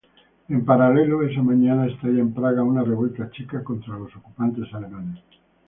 En paralelo, esa mañana estallaba en Praga una revuelta checa contra los ocupantes alemanes.